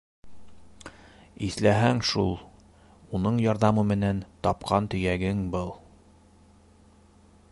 Иҫләһәң, шул: уның ярҙамы менән тапҡан төйәгең был.